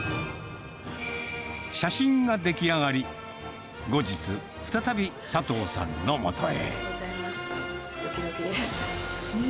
写真が出来上がり、後日、再び佐藤さんのもとへ。